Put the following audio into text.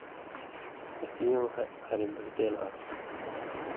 اېک یون٘ہہۡ ہاریۡ بھېٹېل آن٘س؛